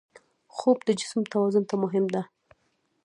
خوب د جسم توازن ته مهم دی